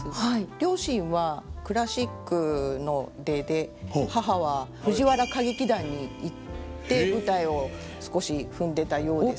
両親はクラシックの出で母は藤原歌劇団に行って舞台を少し踏んでたようです。